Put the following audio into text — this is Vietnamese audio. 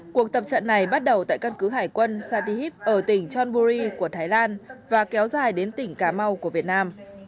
cuộc tập trận này bắt đầu tại căn cứ hải quân sadihip ở tỉnh chonburi của thái lan và kéo dài đến tỉnh cà mau của việt nam